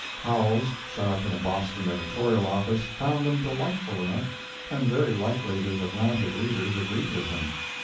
Howells, shut up in a Boston editorial office, found them delightful enough, and very likely his Atlantic readers agreed with him.